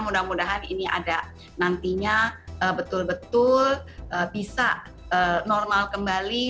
mudah mudahan ini ada nantinya betul betul bisa normal kembali